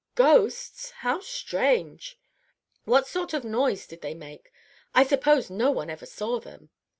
"Ghosts! How strange! What sort of noise did they make? I suppose no one ever saw them."